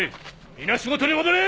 皆仕事に戻れ！